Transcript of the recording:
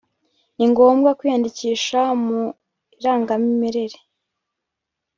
ningombwa kwiyandikisha m’ Irangamimerere